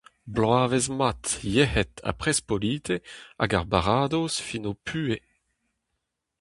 Bloavezh mat, yec'hed ha prespolite, hag ar baradoz fin ho puhez.